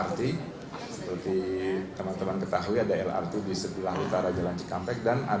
ini merupakan tantangan tersendiri buat kami